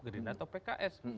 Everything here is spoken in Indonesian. gerindra atau pks